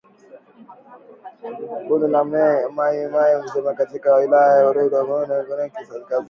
kundi la Mai Mai Mazembe katika wilaya ya Lubero huko Kivu Kaskazini